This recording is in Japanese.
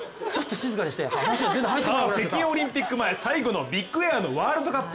北京オリンピック前最後のビッグエアワールドカップ